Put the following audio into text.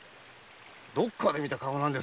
どこかで見た顔なんですがね